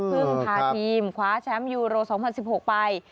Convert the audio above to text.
เพื่อพาทีมขวาแชมป์ยูโร๒๐๑๖ไป